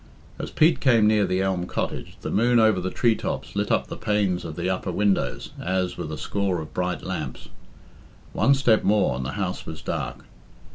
As Pete came near to Elm Cottage, the moon over the tree tops lit up the panes of the upper windows as with a score of bright lamps. One step more, and the house was dark.